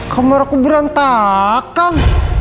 kamar aku berantakan